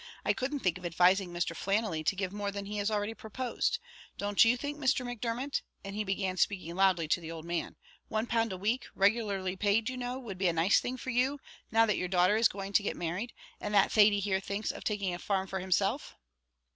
I couldn't think of advising Mr. Flannelly to give more than he has already proposed. Don't you think, Mr. Macdermot," and he began speaking loudly to the old man; "£1 a week, regularly paid, you know, would be a nice thing for you, now that your daughter is going to get married, and that Thady here thinks of taking a farm for himself?"